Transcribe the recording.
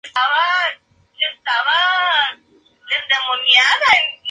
Hacen sus madrigueras en agujeros en los troncos o en grietas de las rocas.